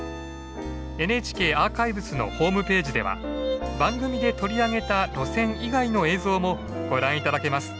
ＮＨＫアーカイブスのホームページでは番組で取り上げた路線以外の映像もご覧頂けます。